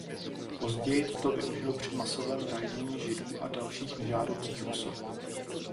Později toto využil při masovém vraždění Židů a dalších nežádoucích osob.